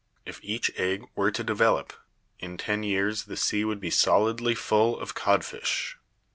If each egg were to develop, in ten years the sea would be solidly full of codfish.